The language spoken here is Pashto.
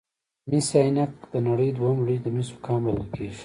مس عینک د نړۍ دویم لوی د مسو کان بلل کیږي.